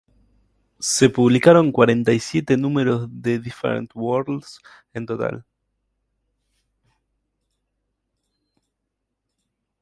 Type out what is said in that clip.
Se publicaron cuarenta y siete números de "Different Worlds" en total.